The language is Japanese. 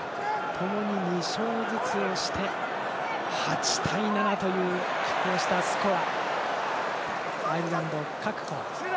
ともに２勝ずつをして８対７という、きっ抗したスコア。